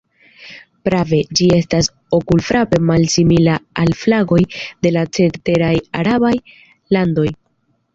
Prave, ĝi estas okulfrape malsimila al flagoj de la ceteraj arabaj landoj.